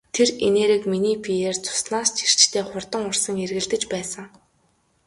Тэр энерги миний биеэр цуснаас ч эрчтэй хурдан урсан эргэлдэж байсан.